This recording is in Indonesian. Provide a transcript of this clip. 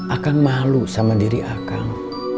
akan malu sama diri akang